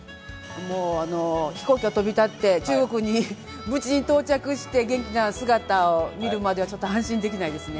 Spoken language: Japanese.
もう、飛行機が飛び立って中国に無事到着して、元気な姿を見るまでは安心できないですね。